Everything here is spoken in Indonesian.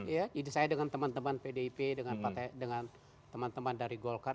jadi saya dengan teman teman pdip dengan teman teman dari golkar